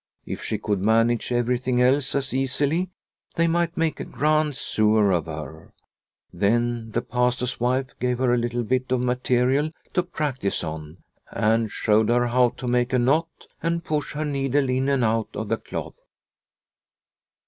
If she could manage everything else as easily, they might make a grand sewer of her ! Then the Pastor's wife gave her a little bit of material to practise on, and showed her how to make a knot and push her needle in and out of the cloth.